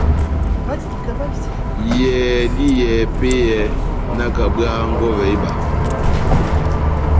Iyɛhɛ dá iyɛhɛ epɛ́yɛ, nakabwaha nkɔvɛ iba.